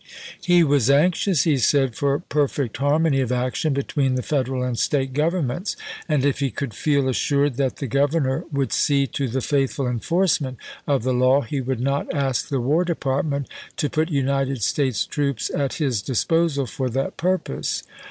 He was anxious, he said, for perfect harmony of action between the Federal and State govern ments, and if he could feel assured that the Gov ernor would see to the faithful enforcement of the law he would not ask the War Department to put United States troops at his disposal for that pur pose.